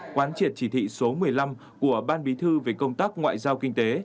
quán triệt chỉ thị số một mươi năm của ban bí thư về công tác ngoại giao kinh tế